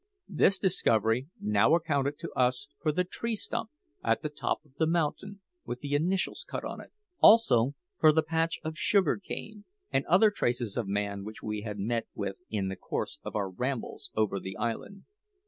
This discovery now accounted to us for the tree stump at the top of the mountain with the initials cut on it; also for the patch of sugar cane and other traces of man which we had met with in the course of our rambles over the island.